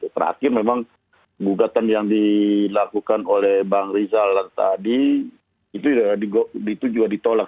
terakhir memang gugatan yang dilakukan oleh bang rizal tadi itu juga ditolak